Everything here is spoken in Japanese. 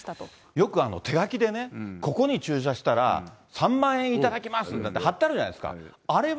よく手書きでね、ここに駐車したら３万円頂きます、なんて貼ってあるじゃないですか。